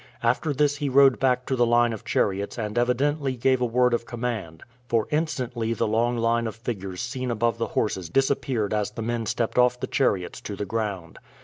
After this he rode back to the line of chariots and evidently gave a word of command, for instantly the long line of figures seen above the horses disappeared as the men stepped off the chariots to the ground.